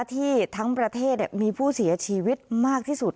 ที่ทั้งประเทศมีผู้เสียชีวิตมากที่สุด